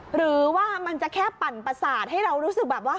หรือว่ามันจะแค่ปั่นประสาทให้เรารู้สึกแบบว่า